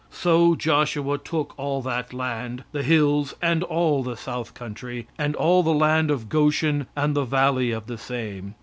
"So Joshua took all that land, the hills, and all the south country, and all the land of Goshen, and the valley of the same.